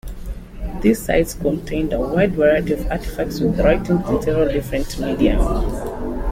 These sites contained a wide variety of artifacts with writings in several different media.